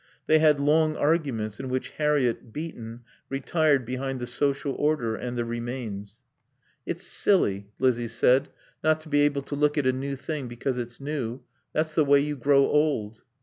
They had long arguments in which Harriett, beaten, retired behind The Social Order and the Remains. "It's silly," Lizzie said, "not to be able to look at a new thing because it's new. That's the way you grow old."